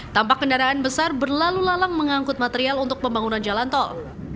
tampak kendaraan besar berlalu lalang mengangkut material untuk pembangunan jalan tol